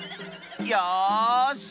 よし！